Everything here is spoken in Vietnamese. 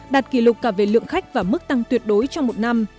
đạt kỷ lục cả về lượng khách và mức tăng tuyệt đối trong một năm